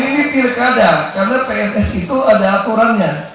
ini pilkada karena pns itu ada aturannya